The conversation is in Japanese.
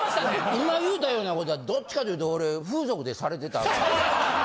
今言うたようなことはどっちかっていうと俺風俗でされてた。